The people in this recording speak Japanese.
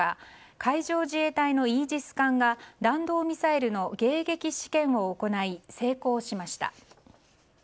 海上自衛隊のイージス艦が弾道ミサイルの迎撃試験を行い成功しました。